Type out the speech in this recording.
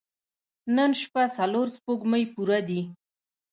نن شپه څلور سپوږمۍ پوره دي.